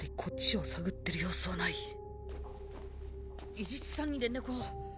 伊地知さんに連絡を。